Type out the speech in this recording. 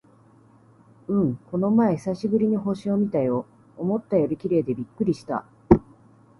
うん、この前久しぶりに星を見たよ。思ったより綺麗でびっくりした！